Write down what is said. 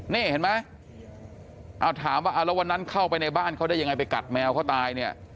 นี่เห็นไหมเอาถามว่าเอาแล้ววันนั้นเข้าไปในบ้านเขาได้ยังไงไปกัดแมวเขาตายเนี่ย